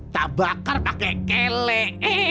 tak bakar pakai kelek